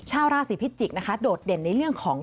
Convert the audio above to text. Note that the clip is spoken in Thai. ชาวราศีพิจิกษ์นะคะโดดเด่นในเรื่องของ